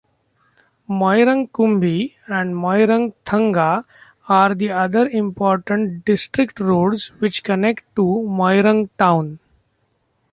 Moirang-Kumbi and Moirang-Thanga are the other important district roads which connected to Moirang town.